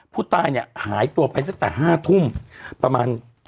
ผู้ตายเนี่ยหายตัวไปตั้งแต่๕ทุ่มประมาณ